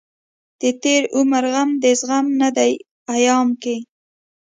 دتېر عمر غم دزغم نه دی ايام کې